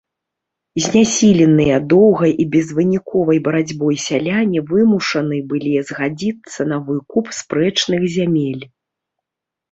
Знясіленыя доўгай і безвыніковай барацьбой сяляне вымушаны былі згадзіцца на выкуп спрэчных зямель.